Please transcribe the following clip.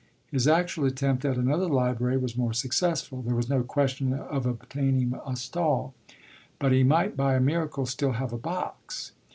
His actual attempt, at another library, was more successful: there was no question of obtaining a stall, but he might by a miracle still have a box.